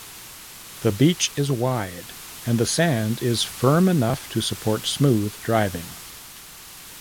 The beach is wide and the sand is firm enough to support smooth driving.